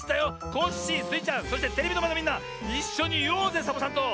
コッシースイちゃんそしてテレビのまえのみんないっしょにいおうぜサボさんと。